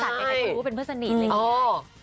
ใครเขารู้เป็นเพื่อนสนิทเลย